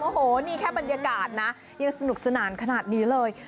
โอ้โหนี่แค่บรรยากาศนะยังสนุกสนานขนาดนี้เลย